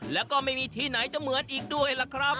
แล้วก็ไม่มีที่ไหนจะเหมือนอีกด้วยล่ะครับ